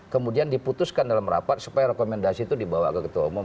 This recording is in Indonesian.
kemudian diputuskan dalam rapat supaya rekomendasi itu dibawa ke ketua umum